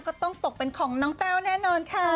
ก็ต้องตกเป็นของน้องแต้วแน่นอนค่ะ